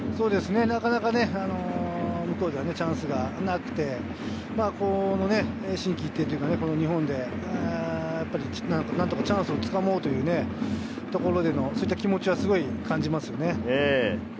なかなか向こうではチャンスがなくて、心機一転、日本で何とかチャンスをつかもうというところでのそういった気持ちはすごい感じますよね。